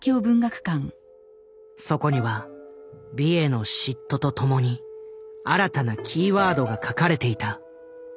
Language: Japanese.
そこには「美への嫉妬」と共に新たなキーワードが書かれていた。